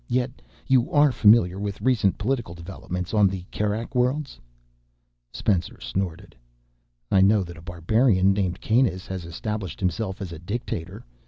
Yet. You are familiar with recent political developments on the Kerak Worlds?" Spencer snorted. "I know that a barbarian named Kanus has established himself as a dictator.